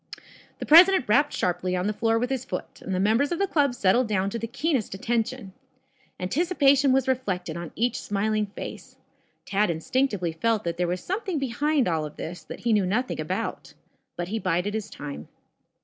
The president rapped sharply on the floor with his foot, and the members of the club settled down to the keenest attention. Anticipation was reflected on each smiling face. Tad instinctively felt that there was something behind all of this that he knew nothing about. But he bided his time.